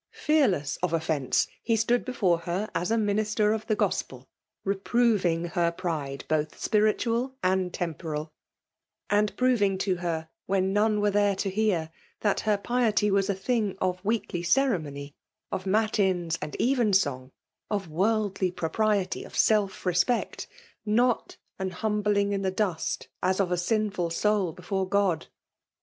Fearless of oflTencc, he stood before her as a minister of the gospel, reprov ing her pride both spiritual and temporal ; and proving to her when none were there to hear, that her piety was a thing of weekly ccre mony^ — of matins and even song, — of worldly propriety, — of self respect; — not an humbling in the dust as of a sinful soul before God; — 234 rsxALE DOMiHAiiair.